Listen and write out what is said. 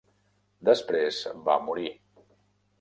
Després va morir.